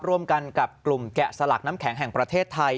ร่วมกันกับกลุ่มแกะสลักน้ำแข็งแห่งประเทศไทย